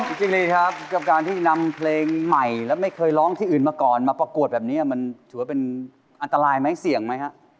จริงเลยครับกับการที่นำเพลงใหม่และไม่เคยร้องที่อื่นมาก่อนมาประกวดแบบนี้มันถือว่าเป็นอันตรายไหมเสี่ยงไหมฮะ